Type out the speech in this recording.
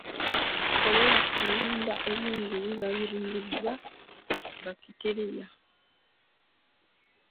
Kkolera alumba ebyenda ebiba birumbiddwa bbakitiriya.